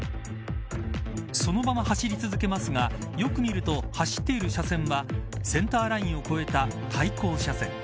そのまま走り続けますがよく見ると走っている車線はセンターラインを越えた対向車線。